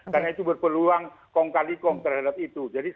karena itu berpeluang kong kali kong terhadap itu